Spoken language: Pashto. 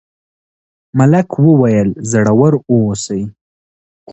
ملک وویل زړور اوسئ.